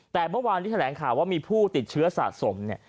แต่เมื่อวานที่แถลงข่าวว่ามีผู้ติดเชื้อสะสมเนี่ย